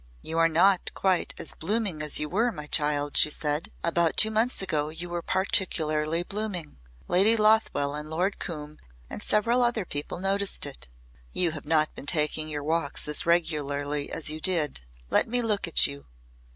"You are not quite as blooming as you were, my child," she said. "About two months ago you were particularly blooming. Lady Lothwell and Lord Coombe and several other people noticed it. You have not been taking your walks as regularly as you did. Let me look at you."